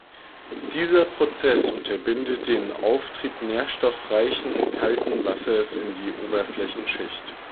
Dieser Prozess unterbindet den Auftrieb nährstoffreichen, kalten Wassers in die Oberflächenschicht.